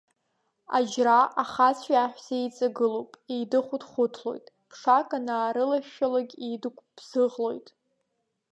Аџьра ахацәеи аҳәсеи еиҵагылоуп, еидыхәыҭхәыҭлоит, ԥшак анаарылашәшәалогьы еидыгәбзыӷлоит.